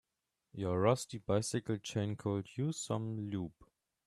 Your rusty bicycle chain could use some lube.